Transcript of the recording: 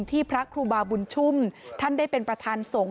พระครูบาบุญชุ่มท่านได้เป็นประธานสงฆ